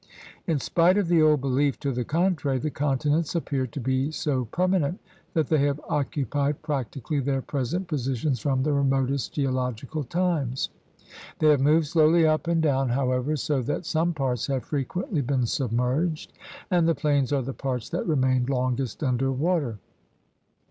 In spite of the old belief to the contrary, the continents appear to be so permanent that they have occupied prac tically their present positions from the remotest geological times. They have moved slowly up and down, however, so that some parts have frequently been submerged, and the plains are the parts that remained longest under water.